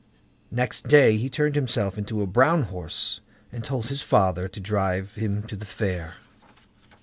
Next day he turned himself into a brown horse, and told his father to drive him to the fair.